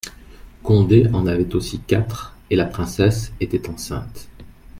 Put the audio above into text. Condé en avait aussi quatre, et la princesse était enceinte.